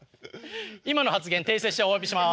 今の発言訂正しておわびします。